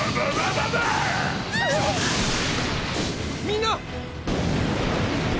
みんな！